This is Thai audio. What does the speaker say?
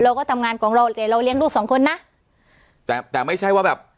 เราก็ทำงานของเราแต่เราเลี้ยงลูกสองคนนะแต่แต่ไม่ใช่ว่าแบบ